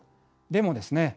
でもですね